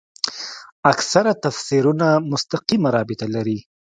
اکثره تفسیرونه مستقیمه رابطه لري.